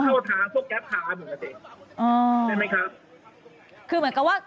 พอท้าพวกแก๊บพาหาเหมือนกันสิใช่ไหมครับ